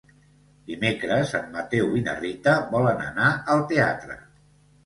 Dimecres en Mateu i na Rita volen anar al teatre.